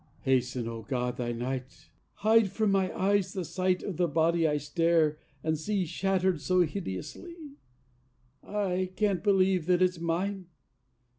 ... Hasten, O God, Thy night! Hide from my eyes the sight Of the body I stare and see Shattered so hideously. I can't believe that it's mine.